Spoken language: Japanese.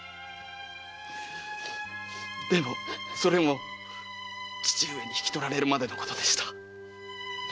でもそれも義父上に引き取られるまでのことでした。